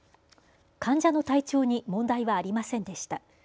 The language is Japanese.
患者の体調に問題はありませんでした。